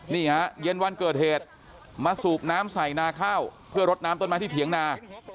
นี่ฮะเย็นวันเกิดเหตุมาสูบน้ำใส่นาข้าวเพื่อรดน้ำต้นไม้ที่เถียงนา